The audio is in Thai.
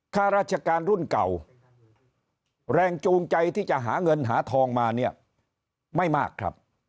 ข้าราชการรุ่นเก่าแรงจูงใจที่จะหาเงินหาทองมาเนี่ยไม่มากครับ